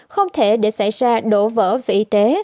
không thể để xảy ra đổ vỡ vị tế